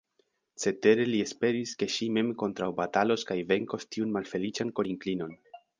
Cetere li esperis, ke ŝi mem kontraŭbatalos kaj venkos tiun malfeliĉan korinklinon.